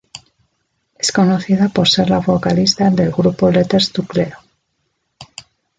Es conocida por ser la vocalista del grupo Letters to Cleo.